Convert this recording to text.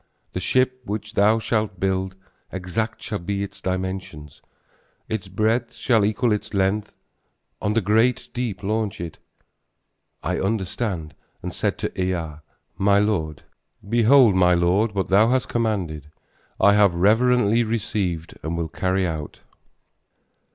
The ship which thou shalt build, Exact shall be its dimensions: Its breadth shall equal its length; On the great deep launch it. I understood and said to Ea, my lord: "Behold, my lord, what thou hast commanded, I have reverently received and will carry out."